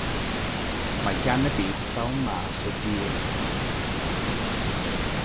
Mae gan y byd sawl mas o dir.